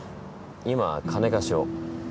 今は金貸しを。